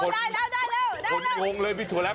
ได้แล้วได้แล้วได้แล้ว